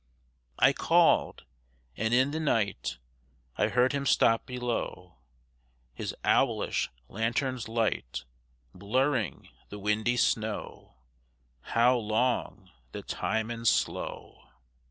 I called. And in the night I heard him stop below, His owlish lanthorn's light Blurring the windy snow How long the time and slow!